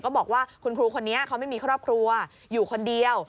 บอกว่าคุณครูคนนี้เขาไม่มีครอบครัวอยู่คนเดียว